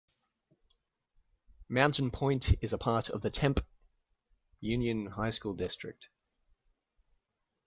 Mountain Pointe is a part of the Tempe Union High School District.